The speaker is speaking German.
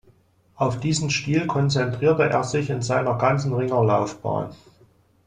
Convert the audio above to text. Auf diesen Stil konzentrierte er sich in seiner ganzen Ringerlaufbahn.